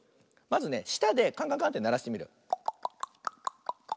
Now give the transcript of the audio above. まずねしたでカンカンカンってならしてみるよ。